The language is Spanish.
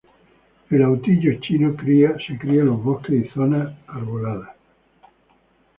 El autillo chino cría en los bosques y zonas arboladas.